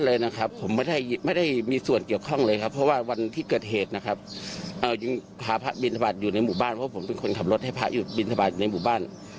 เพราะผมเป็นคนขับรถให้พาพระบินทราบาทอยู่ในหมู่บ้าน